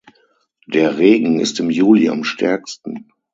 Der Regen ist im Juli am stärksten.